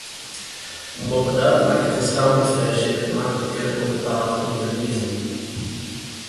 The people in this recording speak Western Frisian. Boppedat makket in standertferzje it makliker om de taal te ûnderwizen.